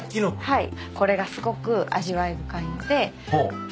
はい。